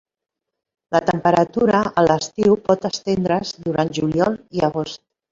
La temperatura a l'estiu pot estendre's durant juliol i agost.